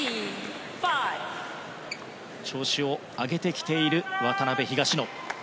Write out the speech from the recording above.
調子を上げてきている渡辺・東野。